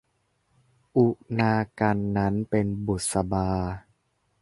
อุณากรรณนั้นเป็นบุษบา